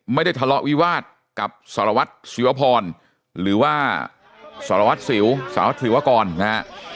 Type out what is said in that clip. ไม่ได้ทะเลาะวิวาสกับสารวัตรสิวพรหรือว่าสารวัตรสิวสาวธิวกรนะฮะ